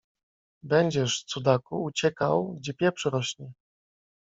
Będziesz, Cudaku, uciekał, gdzie pieprz rośnie.